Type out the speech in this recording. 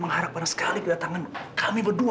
saya hajar itu dengan kenyataan yang natural